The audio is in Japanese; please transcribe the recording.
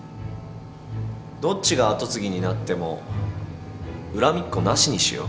どっちが跡継ぎになっても恨みっこなしにしよう。